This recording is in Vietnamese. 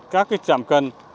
các cái trạm cân